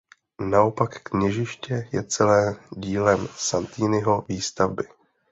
Naopak kněžiště je celé dílem Santiniho výstavby.